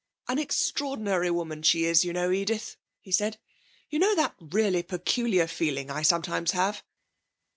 'An extraordinary woman she is, you know, Edith,' he said. 'You know that really peculiar feeling I sometimes have?'